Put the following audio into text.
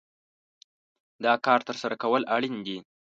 دا کار ترسره کول اړين دي.